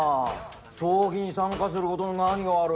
葬儀に参加することの何が悪い。